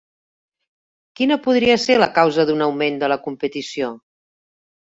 Quina podria ser la causa d'un augment de la competició?